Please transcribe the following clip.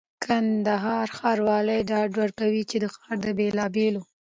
کندهار ښاروالي ډاډ ورکوي چي د ښار د بېلابېلو